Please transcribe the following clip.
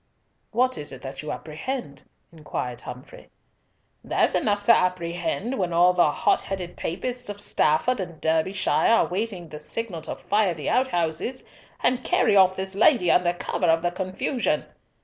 "What is it that you apprehend?" inquired Humfrey. "There's enough to apprehend when all the hot headed Papists of Stafford and Derbyshire are waiting the signal to fire the outhouses and carry off this lady under cover of the confusion.